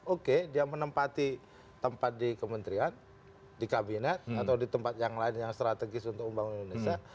oke dia menempati tempat di kementerian di kabinet atau di tempat yang lain yang strategis untuk membangun indonesia